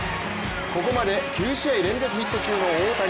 ここまで９試合連続ヒット中の大谷。